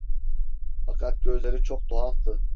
Fakat gözleri çok tuhaftı.